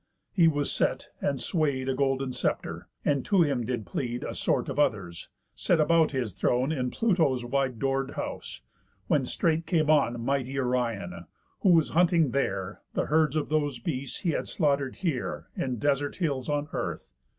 He was set, and sway'd A golden sceptre; and to him did plead A sort of others, set about his throne, In Pluto's wide door'd house; when straight came on Mighty Orion, who was hunting there The herds of those beasts he had slaughter'd here In desert hills on earth.